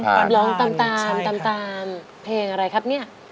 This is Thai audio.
เพลงอะไรครับเนี่ย